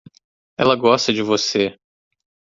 Ela gosta de você.